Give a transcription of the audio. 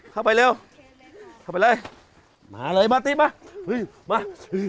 เข้าไปเร็วเข้าไปเลยมาเลยมาตีมาเฮ้ยมา